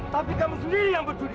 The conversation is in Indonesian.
tapi kamu sendiri yang berjudi